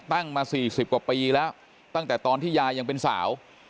ตั้งมา๔๐กว่าปีแล้วตั้งแต่ตอนที่ยายยังเป็นสาว